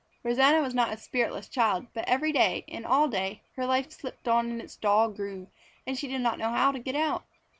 Rosanna was not a spiritless child, but every day and all day her life slipped on in its dull groove and she did not know how to get out.